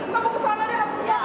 mau ke sana deh